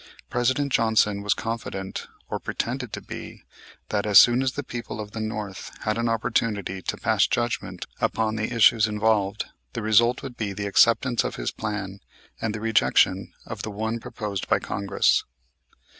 President Johnson was confident, or pretended to be, that as soon as the people of the North had an opportunity to pass judgment upon the issues involved, the result would be the acceptance of his plan and the rejection of the one proposed by Congress.